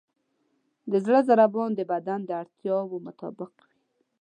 د زړه ضربان د بدن د اړتیاوو مطابق وي.